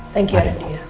terima kasih banyak